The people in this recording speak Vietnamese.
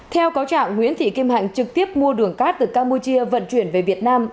theo cáo trạng nguyễn thị kim hạnh trực tiếp mua đường cát từ campuchia vận chuyển về việt nam